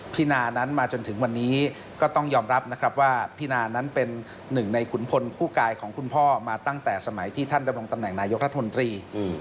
นานั้นมาจนถึงวันนี้ก็ต้องยอมรับนะครับว่าพี่นานั้นเป็นหนึ่งในขุนพลคู่กายของคุณพ่อมาตั้งแต่สมัยที่ท่านดำรงตำแหน่งนายกรัฐมนตรี